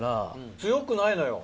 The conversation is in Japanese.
強くないのよ